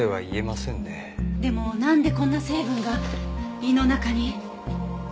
でもなんでこんな成分が胃の中に？